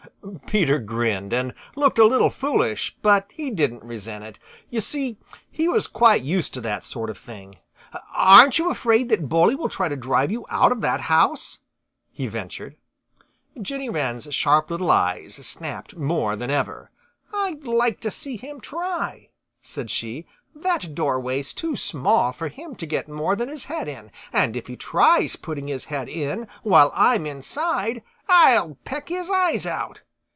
Peter grinned and looked a little foolish, but he didn't resent it. You see he was quite used to that sort of thing. "Aren't you afraid that Bully will try to drive you out of that house?" he ventured. Jenny Wren's sharp little eyes snapped more than ever. "I'd like to see him try!" said she. "That doorway's too small for him to get more than his head in. And if he tries putting his head in while I'm inside, I'll peck his eyes out!